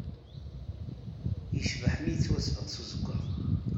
Yecbeḥ mi yettwasbeɣ s uzewwaɣ.